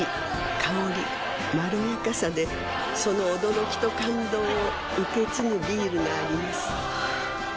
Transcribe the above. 香りまろやかさでその驚きと感動を受け継ぐビールがあります